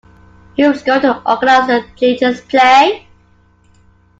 Who is going to organise the children's play?